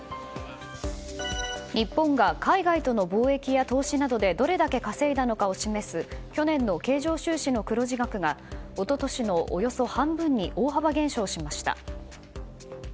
日本が海外との貿易や投資などでどれだけ稼いだのかを示す去年の経常収支の黒字額が一昨年のおよそ半分に大幅減少しました。